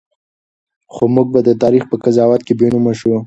خو موږ به د تاریخ په قضاوت کې بېنومه شو.